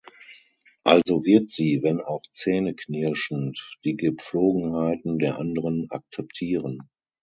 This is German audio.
Also wird sie, wenn auch zähneknirschend, die Gepflogenheiten der anderen akzeptieren.